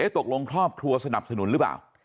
ตกลงครอบครัวสนับสนุนหรือเปล่า